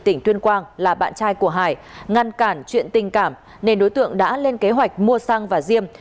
tỉnh tuyên quang là bạn trai của hải ngăn cản chuyện tình cảm nên đối tượng đã lên kế hoạch mua xăng và diêm